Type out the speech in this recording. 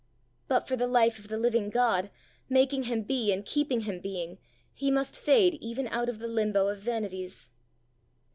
But for the life of the living God, making him be, and keeping him being, he must fade even out of the limbo of vanities!